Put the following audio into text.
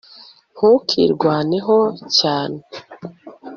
ntukirwaneho cyane